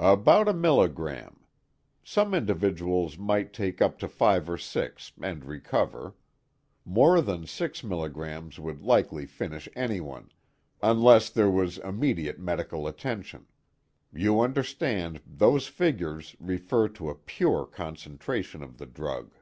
"About a milligram. Some individuals might take up to five or six, and recover. More than six milligrams would likely finish anyone, unless there was immediate medical attention you understand, those figures refer to a pure concentration of the drug."